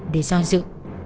để do dự